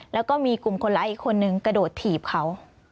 แล้วก็มีกลุ่มคนร้ายอีกคนนึงกระโดดถีบเขา